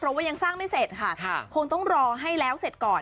เพราะว่ายังสร้างไม่เสร็จค่ะคงต้องรอให้แล้วเสร็จก่อน